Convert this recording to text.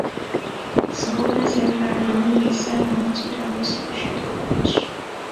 但此后该财阀仍以三菱集团的形式得以延续。